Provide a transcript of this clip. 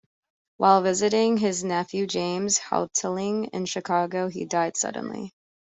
While visiting his nephew James Houghteling in Chicago he died suddenly.